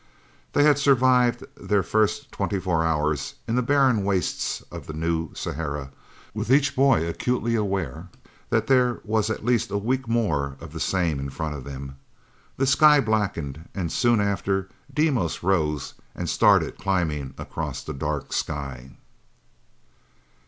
They had survived their first twenty four hours in the barren wastes of the New Sahara, with each boy acutely aware that there was at least a week more of the same in front of them. The sky blackened, and soon after Deimos rose and started climbing across the dark sky.